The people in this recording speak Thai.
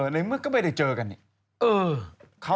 ในเมื่อก็ไม่ได้เจอกันเนี่ย